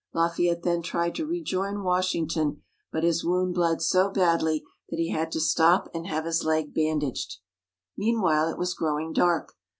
Lafayette then tried to rejoin Washington, but his wound bled so badly that he had to stop and have his leg bandaged. Meanwhile, it was growing dark.